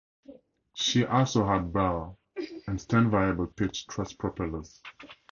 She also had bow and stern variable-pitch thrust propellers.